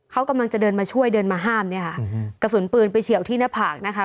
เขากำลังจะเดินมาช่วยเดินมาห้ามเนี่ยค่ะกระสุนปืนไปเฉียวที่หน้าผากนะคะ